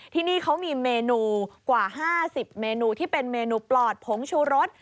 ที่นี่เขามีเมนูกว่า๕๐เมนูที่เป็นเมนูปลอดผงชูรส